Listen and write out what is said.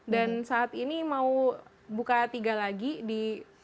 dan saat ini mau buka tiga lagi di